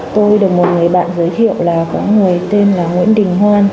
tôi được một người bạn giới thiệu là có người tên là nguyễn đình hoan